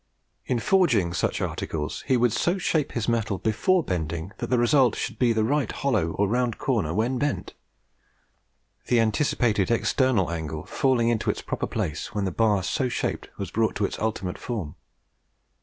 In forging such articles he would so shape his metal before bending that the result should be the right hollow or rounded corner when bent; the anticipated external angle falling into its proper place when the bar so shaped was brought to its ultimate form.